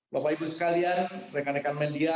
bapak ibu sekalian rekan rekan media